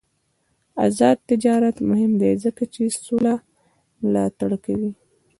آزاد تجارت مهم دی ځکه چې سوله ملاتړ کوي.